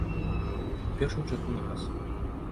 У першую чаргу на газ.